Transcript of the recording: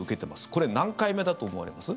これ、何回目だと思われます？